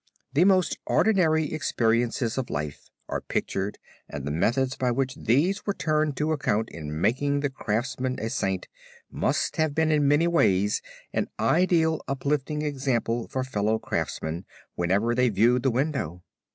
The most ordinary experiences of life are pictured and the methods by which these were turned to account in making the craftsman a saint, must have been in many ways an ideally uplifting example for fellow craftsmen whenever they viewed the window.